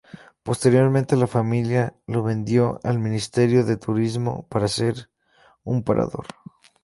Posteriormente, la familia lo vendió al Ministerio de Turismo para hacer un parador.